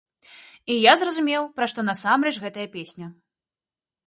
І я зразумеў, пра што насамрэч гэтая песня.